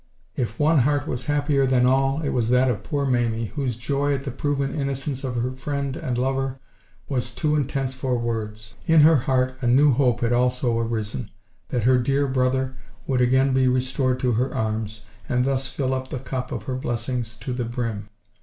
If one heart was happier than all, it was that of poor Mamie, whose joy at the proven innocence of her friend and lover was too intense for words. In her heart a new hope had also arisen, that her dear brother would again be restored to her arms, and thus fill up the cup of her blessings to the brim.